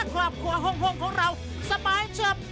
ครอบครัวห้องของเราสบายเฉิบ